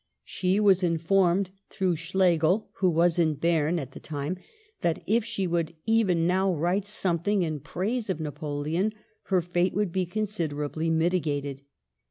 She was informed through Schlegel, who was in Berne at the time, that if she would even now write some thing in praise of Napoleon her fate would be. considerably mitigated.